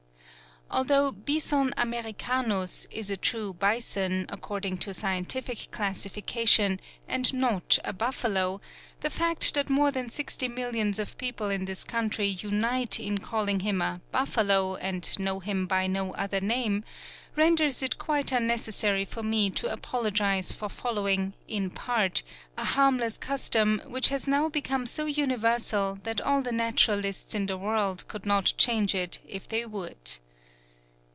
Although Bison americanus is a true bison, according to scientific classification, and not a buffalo, the fact that more than sixty millions of people in this country unite in calling him a "buffalo," and know him by no other name, renders it quite unnecessary for me to apologize for following, in part, a harmless custom which has now become so universal that all the naturalists in the world could not change it if they would.